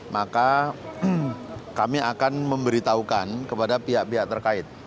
maka kami akan memberitahukan kepada pihak pihak terkait